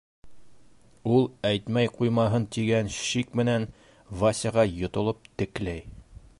— Ул әйтмәй ҡуймаһын тигән шик менән Васяға йотолоп текләй.